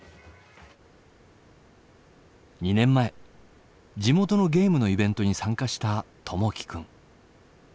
２年前地元のゲームのイベントに参加した友輝君。